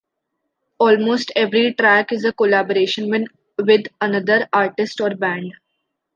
Almost every track is a collaboration with another artist or band.